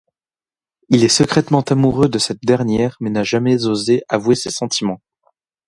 Il est secrètement amoureux de cette dernière mais n'a jamais osé avouer ses sentiments.